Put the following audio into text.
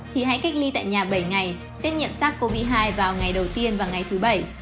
thì hãy cách ly tại nhà bảy ngày xét nghiệm sars cov hai vào ngày đầu tiên và ngày thứ bảy